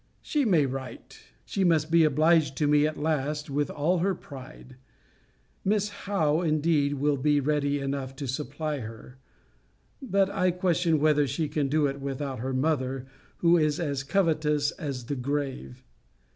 She may write. She must be obliged to me at last, with all her pride. Miss Howe indeed will be ready enough to supply her; but I question, whether she can do it without her mother, who is as covetous as the grave.